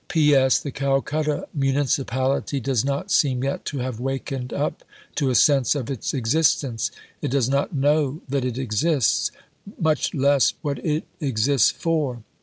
P.S. The Calcutta Municipality does not seem yet to have wakened up to a sense of its existence. It does not know that it exists: much less, what it exists for.